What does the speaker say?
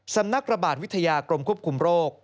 สำนักระบาดวิทยากรมควบคุมโรค